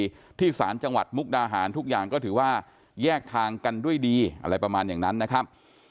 ที่ศาลจังหวัดมุกดาหารทุกอย่างก็ถือว่าแยกทางกันด้วยดีอะไรประมาณอย่างนั้นนะครับ